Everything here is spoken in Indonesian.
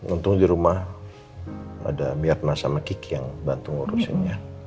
untung di rumah ada miyatna sama kiki yang bantu ngurusinnya